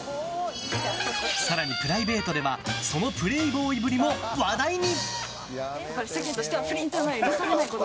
更に、プライベートではそのプレイボーイぶりも話題に。